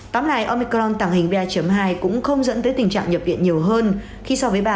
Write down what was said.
tóm lại omicron tàng hình ba hai cũng không dẫn tới tình trạng nhập điện nhiều hơn khi so với ba một